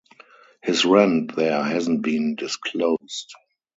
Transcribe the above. His rent there hasn't been disclosed.